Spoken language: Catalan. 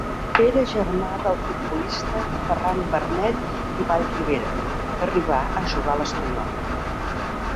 Era germà del futbolista Ferran Barnet i Vallribera, que arribà a jugar a l'Espanyol.